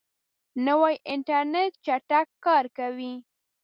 نوی انټرنیټ چټک کار کوي